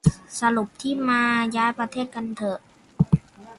สรุปที่มา ย้ายประเทศกันเถอะ